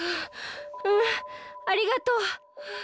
うんありがとう。